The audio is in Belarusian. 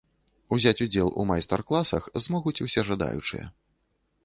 Узяць удзел у майстар-класах змогуць усе жадаючыя.